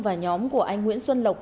và nhóm của anh nguyễn xuân lộc